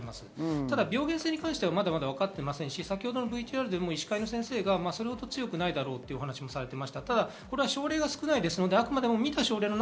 ただ病原性に関してはまだまだわかっていなくて、医師会の先生がそれほど強くないだろうという話もされていました。